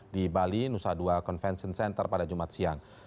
di bali nusa dua convention center pada jumat siang